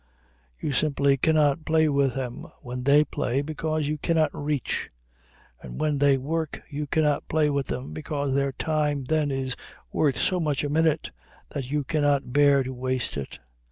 You simply cannot play with them when they play, because you cannot reach; and when they work you cannot play with them, because their time then is worth so much a minute that you cannot bear to waste it.